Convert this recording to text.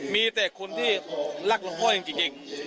มีแต่คนที่รักหลวงพ่อจริง